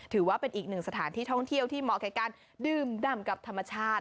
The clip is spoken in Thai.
ถือว่าเป็นอีกหนึ่งสถานที่ท่องเที่ยวที่เหมาะกับการดื่มดำกับธรรมชาติ